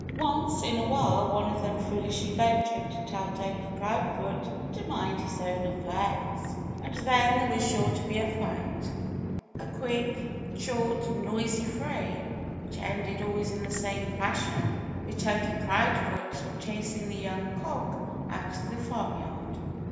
Once in a while one of them foolishly ventured to tell Turkey Proudfoot to mind his own affairs. And then there was sure to be a fight a quick, short, noisy fray which ended always in the same fashion, with Turkey Proudfoot chasing the young cock out of the farmyard.